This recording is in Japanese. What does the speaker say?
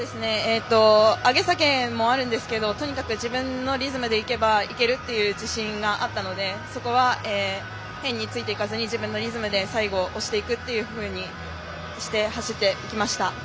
上げ下げもあるんですがとにかく自分のリズムで行けばいける自信があったのでそこは変についていかず自分のリズムで最後押していこうと走りました。